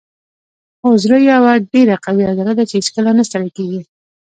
هو زړه یوه ډیره قوي عضله ده چې هیڅکله نه ستړې کیږي